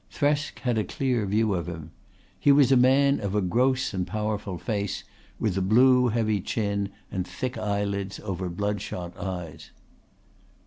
Thresk had a clear view of him. He was a man of a gross and powerful face, with a blue heavy chin and thick eyelids over bloodshot eyes.